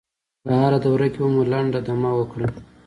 په هره دوره کې به مو لنډه دمه وکړه.